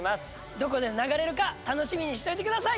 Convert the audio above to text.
どこで流れるか楽しみにしておいてください！